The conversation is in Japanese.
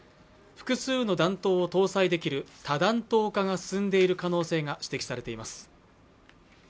複数の弾頭を搭載できる多弾頭化が進んでいる可能性が指摘されています